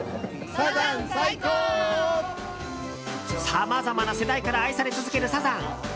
さまざまな世代から愛され続けるサザン。